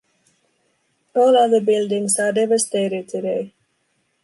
All other buildings are devastated today.